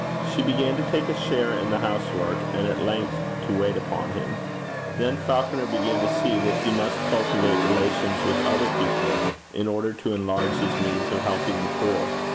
She began to take a share in the house work, and at length to wait upon him. Then Falconer began to see that he must cultivate relations with other people in order to enlarge his means of helping the poor.